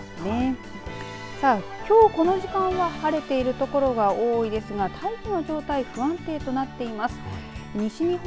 きょう時間は晴れている所が多いですが大気の状態、不安定となっています。